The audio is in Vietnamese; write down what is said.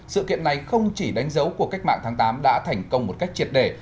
sự kiện này không chỉ đánh dấu cuộc cách mạng tháng tám đã thành công một cách triệt đề